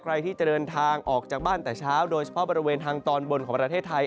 ใครที่จะเดินทางออกจากบ้านแต่เช้าโดยเฉพาะบริเวณทางตอนบนของประเทศไทย